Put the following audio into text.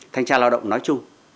thanh tra lao động nói chung